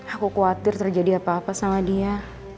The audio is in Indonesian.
aku khawatir terjadi apa apa sama dia